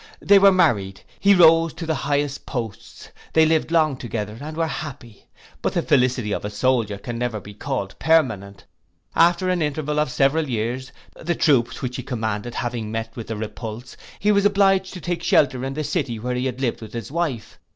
They were married; he rose to the highest posts; they lived long together, and were happy. But the felicity of a soldier can never be called permanent: after an interval of several years, the troops which he commanded having met with a repulse, he was obliged to take shelter in the city where he had lived with his wife.